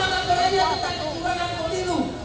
dengan perannya tentang kekurangan polri itu